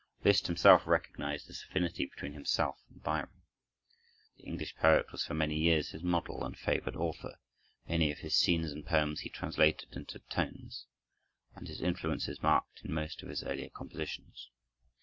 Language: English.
Liszt himself recognized this affinity between himself and Byron. The English poet was for many years his model and favorite author; many of his scenes and poems he translated into tones, and his influence is marked in most of his earlier compositions.